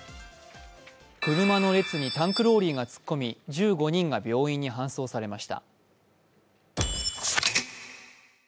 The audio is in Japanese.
車の列にタンクローリーが突っ込み、１５人が病院に搬送されました。